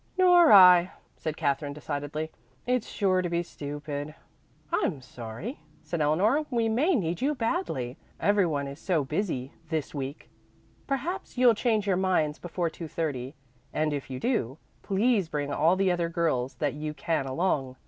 "Nor I," said Katherine decidedly. "It's sure to be stupid." "I'm sorry," said Eleanor. "We may need you badly; every one is so busy this week. Perhaps you'll change your minds before two thirty, and if you do, please bring all the other girls that you can along.